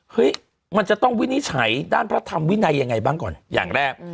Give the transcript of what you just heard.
เฮ้ยมันจะต้องวินิจฉัยด้านพระธรรมวินัยยังไงบ้างก่อนอย่างแรก